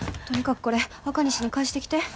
とにかくこれあかにしに返してきて。